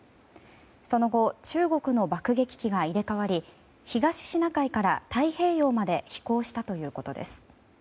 その後、中国の爆撃機が入れ替わり東シナ海から太平洋まで飛行したということです。